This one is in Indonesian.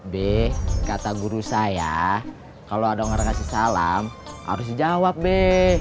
be kata guru saya kalau ada orang yang kasih salam harus jawab be